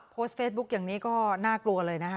โพสต์เฟซบุ๊กอย่างนี้ก็น่ากลัวเลยนะคะ